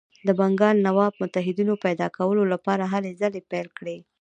د بنګال نواب متحدینو پیدا کولو لپاره هلې ځلې پیل کړې.